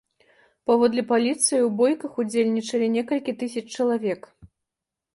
Паводле паліцыі, у бойках удзельнічалі некалькі тысяч чалавек.